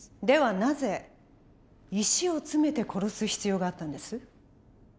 ではなぜ石を詰めて殺す必要があったんです？